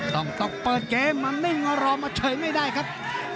ต้องต้องเปิดเกมมันไม่รอมาเฉยไม่ได้ครับ